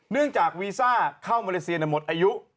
เนื่องจากวีซ่าเข้ามาราเซียในหมดอายุ